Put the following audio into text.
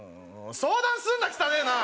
相談すんな汚えな！